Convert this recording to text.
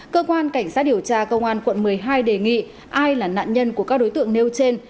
cơ quan cảnh sát điều tra công an quận một mươi hai đề nghị ai là nạn nhân của các đối tượng nêu trên